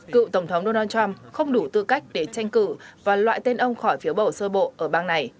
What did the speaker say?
cựu tổng thống donald trump không đủ tư cách để tranh cử và loại tên ông khỏi phiếu bầu sơ bộ ở bang này